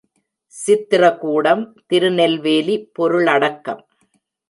Chitrakoot Tirunelveli பொருளடக்கம்